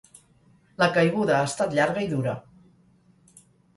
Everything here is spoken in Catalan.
La caiguda ha estat llarga i dura.